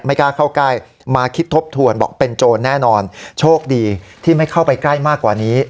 กล้าเข้าใกล้มาคิดทบทวนบอกเป็นโจรแน่นอนโชคดีที่ไม่เข้าไปใกล้มากกว่านี้